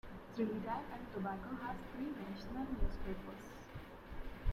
Trinidad and Tobago has three national newspapers.